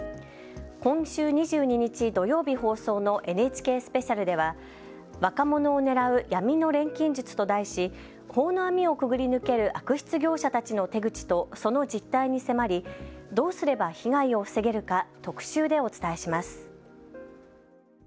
今週２２日、土曜日放送のＮＨＫスペシャルでは若者を狙う闇の錬金術と題し法の網をくぐり抜ける悪質業者たちの手口とその実態に迫りどうすれば被害を防げるか特集でお伝えします。